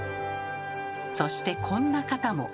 そしてこんな方も。